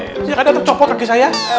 tidak ada tercopot kaki saya